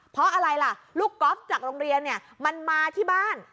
เพราะอะไรล่ะลูกก๊อฟจากโรงเรียนเนี่ยมันมาที่บ้าน